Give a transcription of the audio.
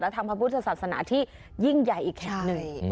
ทางพระพุทธศาสนาที่ยิ่งใหญ่อีกแห่งหนึ่ง